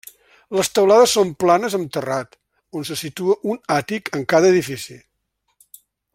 Les teulades són planes amb terrat, on se situa un àtic en cada edifici.